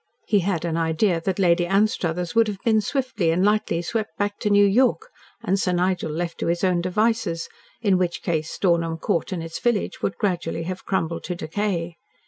He had an idea that Lady Anstruthers would have been swiftly and lightly swept back to New York, and Sir Nigel left to his own devices, in which case Stornham Court and its village would gradually have crumbled to decay.